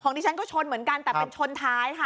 ดิฉันก็ชนเหมือนกันแต่เป็นชนท้ายค่ะ